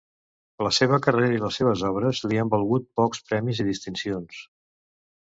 La seva carrera i les seves obres li han valgut pocs premis i distincions.